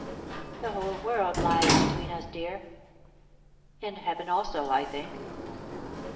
"The whole world lies between us, dear." "And heaven also, I think."